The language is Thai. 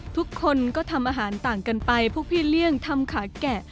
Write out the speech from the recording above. ทุกคนก็ทำอาหารต่างกันไปพวกพี่เลี่ยงทำขาแกะ